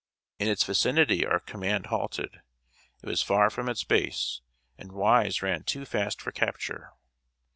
In its vicinity our command halted. It was far from its base, and Wise ran too fast for capture.